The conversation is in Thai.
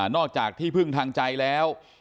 จากที่พึ่งทางใจแล้ว